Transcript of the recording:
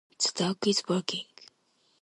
The dog is barking